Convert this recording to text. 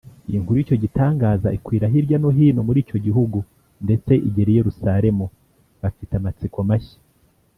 . Inkuru y’icyo gitangaza ikwira hirya no hino mur’icyo gihugu, ndetse igera i Yerusalemu. Bafite amatsiko mashya